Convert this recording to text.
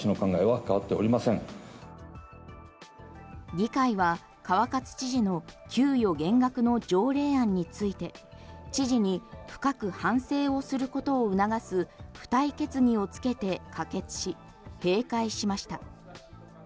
議会は川勝知事の給与減額の条例案について知事に深く反省をすることを促す付帯決議をつけて可決し閉会しました。